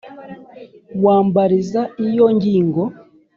wambariza iyo ngingo.